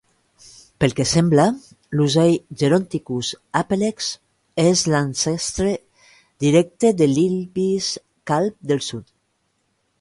Pel que sembla l'ocell Geronticus apelex és l'ancestre directe de l'Ibis calb del sud.